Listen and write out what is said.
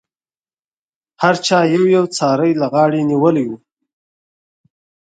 هر چا یو یو څاری له غاړې نیولی و.